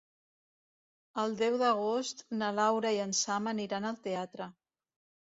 El deu d'agost na Laura i en Sam aniran al teatre.